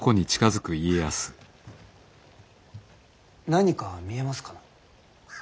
何か見えますかな？